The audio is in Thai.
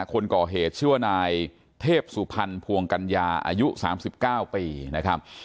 คนก่อเหตุชื่อว่านายเทพสุพรรณภวงกัญญาอายุ๓๙ปีนะครับ